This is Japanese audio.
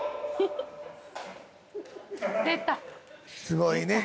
すごいね。